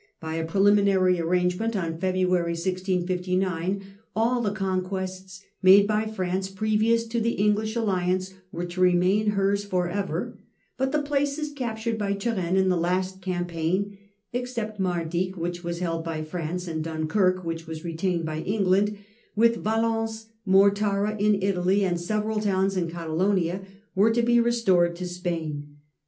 By a preliminary Preliminary arrangement in February 1659, all the con agreement. quests made by France previous to the English alliance were to remain hers for ever ; but the places captured by Turenne in the last campaign (except Mar dyck which was held by France, and Dunkirk which was retained by England), with Valence and Mortara in Italy, and several towns in Catalonia, were to be restored to 79 1 659 * The Spanish Marriage, Spain.